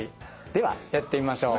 ではやってみましょう。